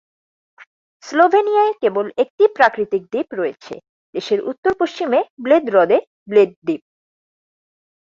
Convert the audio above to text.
স্লোভেনিয়ায় কেবল একটি প্রাকৃতিক দ্বীপ রয়েছে: দেশের উত্তর-পশ্চিমে ব্লেড হ্রদে ব্লেড দ্বীপ।